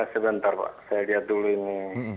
sebentar pak saya lihat dulu ini